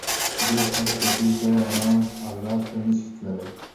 ډېر خلک له دې ځایه رام الله ته نه شي تللی.